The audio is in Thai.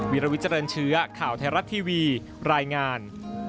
วิลวิเจริญเชื้อข่าวไทยรัฐทีวีรายงาน